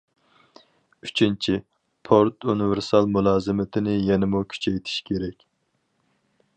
ئۈچىنچى، پورت ئۇنىۋېرسال مۇلازىمىتىنى يەنىمۇ كۈچەيتىش كېرەك.